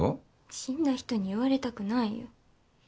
死んだ人に言われたくないよ。